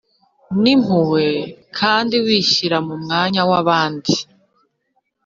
N impuhwe kandi wishyira mu mwanya w abandi